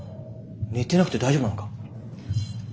寝てなくて大丈夫なのか？」。